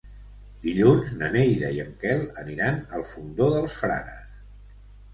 Dilluns na Neida i en Quel aniran al Fondó dels Frares.